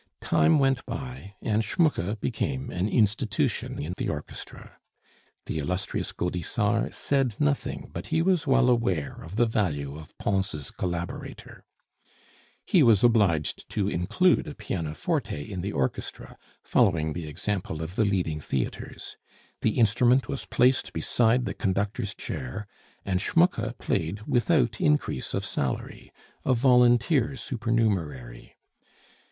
Time went by, and Schmucke became an institution in the orchestra; the Illustrious Gaudissart said nothing, but he was well aware of the value of Pons' collaborator. He was obliged to include a pianoforte in the orchestra (following the example of the leading theatres); the instrument was placed beside the conductor's chair, and Schmucke played without increase of salary a volunteer supernumerary.